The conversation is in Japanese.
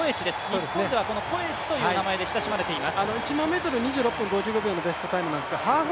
日本ではコエチという名前で親しまれています。